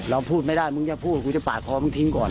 พูดไม่ได้มึงจะพูดกูจะปาดคอมึงทิ้งก่อน